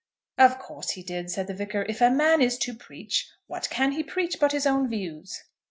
"Of course he did," said the Vicar. "If a man is to preach, what can he preach but his own views?"